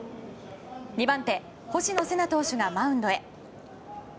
２番手星野世那投手がマウンドへ。